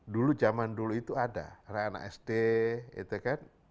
dulu zaman dulu itu ada anak anak sd itu kan